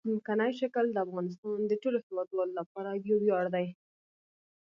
ځمکنی شکل د افغانستان د ټولو هیوادوالو لپاره یو ویاړ دی.